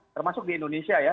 termasuk di indonesia ya